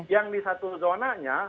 yang di satu zonanya